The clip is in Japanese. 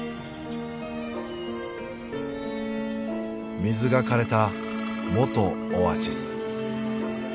水がかれた元オアシス。